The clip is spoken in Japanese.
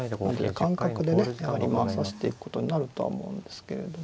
感覚でね指していくことになるとは思うんですけれども。